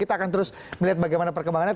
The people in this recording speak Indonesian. kita akan terus melihat bagaimana perkembangannya